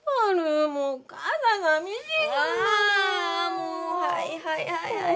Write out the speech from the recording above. もうはいはいはい